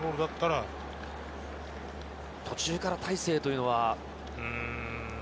途中から大勢というのは。